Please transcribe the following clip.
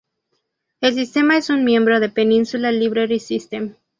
El sistema es un miembro de Peninsula Library System.